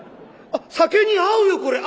あっ酒に合うよこれ！